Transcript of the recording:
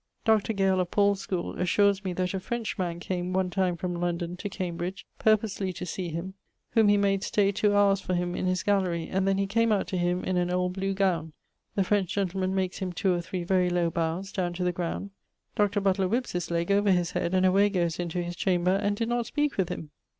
Dr. Gale[BO], of Paul's schoole, assures me that a French man came one time from London to Cambridge, purposely to see him, whom he made stay two howres for him in his gallery, and then he came out to him in an old blew gowne; the French gentleman makes him 2 or 3 very lowe bowes downe to the ground; Dr. Butler whippes his legge over his head, and away goes into his chamber, and did not speake with him.